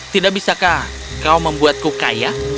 tidak bisakah kau membuatku kaya